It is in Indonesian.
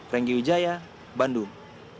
renggi wijaya bandung